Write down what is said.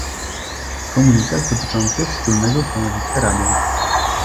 Komunikat dotyczący wspólnego stanowiska Rady